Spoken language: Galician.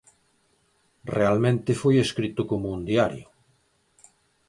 Realmente foi escrito como un diario.